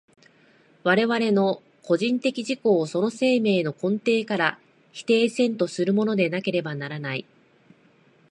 我々の個人的自己をその生命の根底から否定せんとするものでなければならない。